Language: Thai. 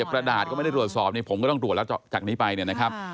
กระดาษก็ไม่ได้ตรวจสอบเนี่ยผมก็ต้องตรวจแล้วจากนี้ไปเนี่ยนะครับ